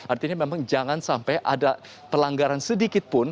artinya memang jangan sampai ada pelanggaran sedikitpun